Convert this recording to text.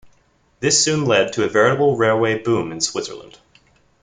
This soon led to a veritable railway boom in Switzerland.